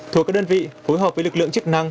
thuộc các đơn vị phối hợp với lực lượng chức năng